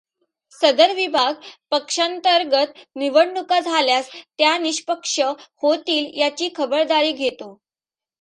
सदर विभाग, पक्षांतर्गत निवडणुका झाल्यास त्या निष्पक्ष होतील याची खबरदारी घेतो.